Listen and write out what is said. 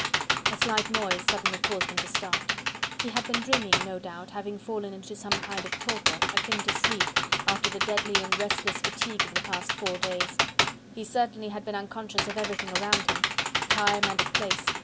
A slight noise suddenly caused him to start. He had been dreaming, no doubt, having fallen into some kind of torpor, akin to sleep, after the deadly and restless fatigue of the past four days. He certainly had been unconscious of everything around him, of time and of place.